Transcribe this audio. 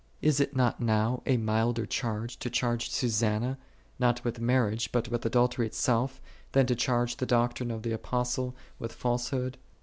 Is it not now a milder charge, to charge Susanna, not with marriage, but with adultery itself, than to charge the doctrine of the Apostle with falsehood